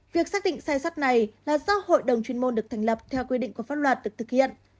việc xác định sai sót này là do hội đồng chuyên môn được thành lập theo quy định của pháp luật được thực hiện